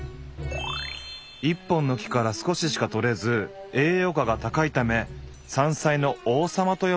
「１本の木から少ししか採れず栄養価が高いため『山菜の王様』と呼ばれる」。